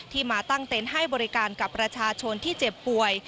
มาตั้งเต็นต์ให้บริการกับประชาชนที่เจ็บป่วย